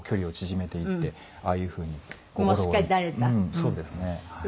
そうですねはい。